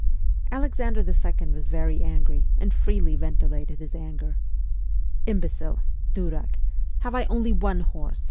Alexander II. was very angry, and freely ventilated his anger. ' Imbecile (durdk) , have I only one horse